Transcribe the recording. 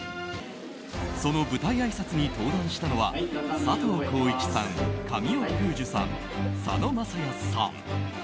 その舞台あいさつに登壇したのは佐藤浩市さん、神尾楓珠さん佐野晶哉さん。